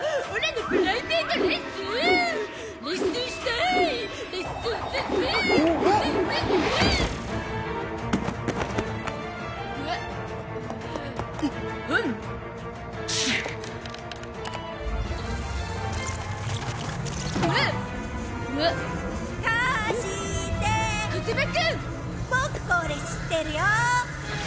ボクこれ知ってるよ。